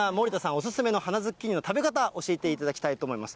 お勧めの花ズッキーニの食べ方、教えていただきたいと思います。